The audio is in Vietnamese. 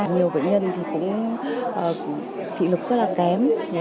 nhiều bệnh nhân thì cũng thị lực rất là kém